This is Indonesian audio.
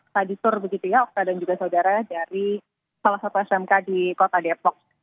tadi tur begitu ya okta dan juga saudara dari salah satu smk di kota depok